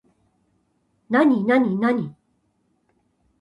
なになになに